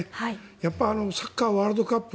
やっぱりあのサッカーワールドカップ